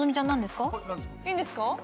いいんですか？